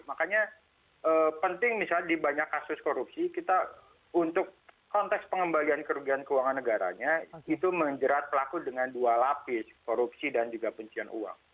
makanya penting misalnya di banyak kasus korupsi kita untuk konteks pengembalian kerugian keuangan negaranya itu menjerat pelaku dengan dua lapis korupsi dan juga pencucian uang